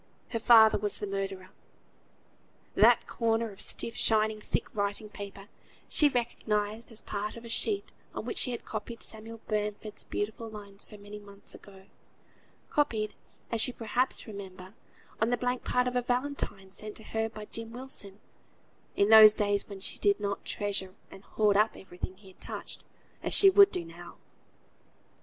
Her father was the murderer! That corner of stiff, shining, thick writing paper, she recognised as part of the sheet on which she had copied Samuel Bamford's beautiful lines so many months ago copied (as you perhaps remember) on the blank part of a valentine sent to her by Jem Wilson, in those days when she did not treasure and hoard up every thing he had touched, as she would do now.